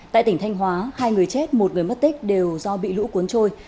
tại tỉnh thanh hóa hai người chết một người mất tích đều do bị lũ cuốn trôi